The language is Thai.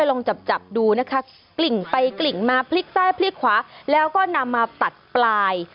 ลองจับจับดูนะคะกลิ่งไปกลิ่งมาพลิกซ้ายพลิกขวาแล้วก็นำมาตัดปลาย